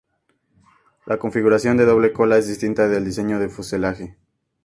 La configuración de doble cola es distinta del diseño de doble fuselaje.